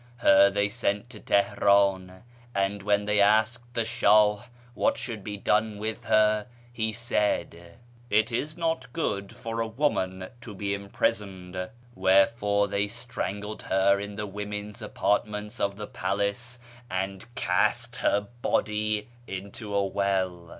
Her they sent to Teheran ; and when they asked the Shah what should be done with her, he said, ' It is not good for a woman to be imprisoned,' wherefore they strangled her in the women's apartments of the palace, and cast her body into a well.